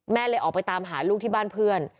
แม่เลยออกไปตามหาลูกที่บ้านเพื่อน